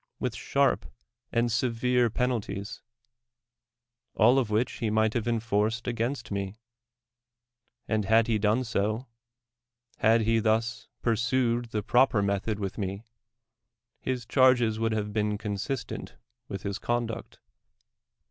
with sharp tind severe penalties; all of which he might luive (ufrr u'd against me ; and had ha done so — had he thns pursued the proper method with me, his chcrgis would have been consistent with his conduct.